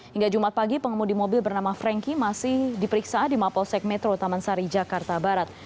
hingga jumat pagi pengemudi mobil bernama frankie masih diperiksa di mapolsek metro taman sari jakarta barat